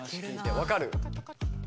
分かる？